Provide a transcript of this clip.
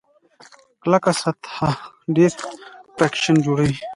کلکه سطحه ډېر فریکشن جوړوي.